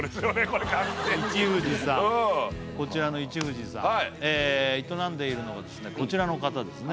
これ完全にこちらの一富士さん営んでいるのがこちらの方です